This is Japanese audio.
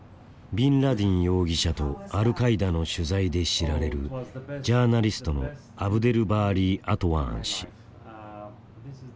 ビンラディン容疑者とアルカイダの取材で知られるジャーナリストのアブデルバーリー・アトワーン氏。